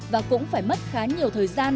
và cũng phải mất khá nhiều thời gian